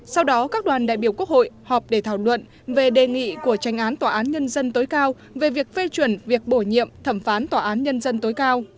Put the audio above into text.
sau đó các đoàn đại biểu quốc hội họp để thảo luận về đề nghị của tranh án tòa án nhân dân tối cao về việc phê chuẩn việc bổ nhiệm thẩm phán tòa án nhân dân tối cao